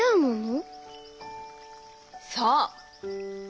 そう。